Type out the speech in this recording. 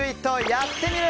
やってみる。